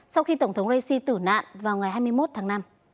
sau khi tổng thống raisi tử nạn vào ngày hai mươi một tháng năm